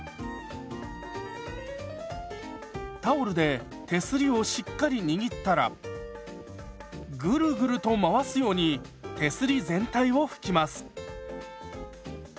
タオルで手すりをしっかり握ったらグルグルと回すように手すり全体を拭きます。